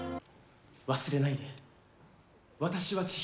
忘れないで私は千尋。